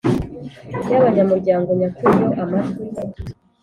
y abanyamuryango nyakuri Iyo amajwi